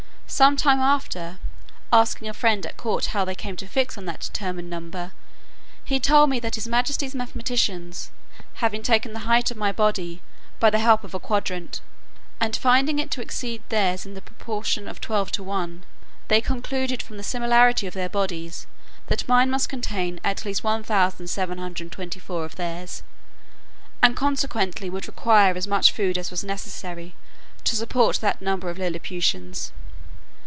Some time after, asking a friend at court how they came to fix on that determinate number, he told me that his majesty's mathematicians, having taken the height of my body by the help of a quadrant, and finding it to exceed theirs in the proportion of twelve to one, they concluded from the similarity of their bodies, that mine must contain at least 1724 of theirs, and consequently would require as much food as was necessary to support that number of Lilliputians.